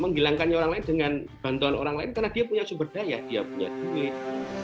menghilangkannya orang lain dengan bantuan orang lain karena dia punya sumber daya dia punya duit